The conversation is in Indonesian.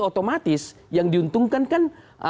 otomatis yang diuntungkan kan